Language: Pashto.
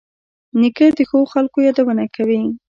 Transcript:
نیکه د ښو خلکو یادونه کوي.